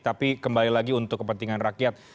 tapi kembali lagi untuk kepentingan rakyat